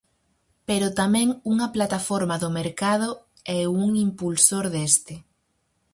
Pero tamén unha plataforma do mercado e un impulsor deste.